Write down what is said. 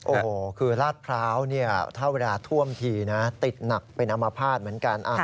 โอ้โหคือลาดพร้าวเนี่ยถ้าเวลาท่วมทีนะติดหนักเป็นอมภาษณ์เหมือนกัน